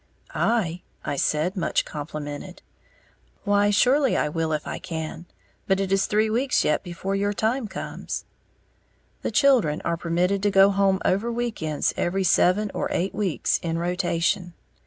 "I?" I said, much complimented. "Why, surely I will if I can. But it is three weeks yet before your time comes:" the children are permitted to go home over week ends every seven or eight weeks, in rotation.